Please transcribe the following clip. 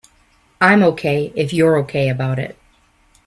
I'm OK if you're OK about it.